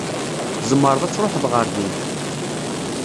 Tzemreḍ ad truḥeḍ ɣer din.